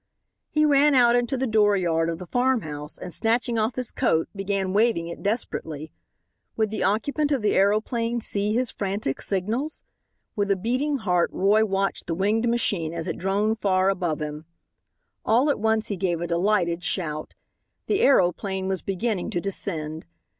He ran out into the door yard of the farm house and, snatching off his coat, began waving it desperately. Would the occupant of the aeroplane see his frantic signals? With a beating heart Roy watched the winged machine as it droned far above him. All at once he gave a delighted shout. The aeroplane was beginning to descend.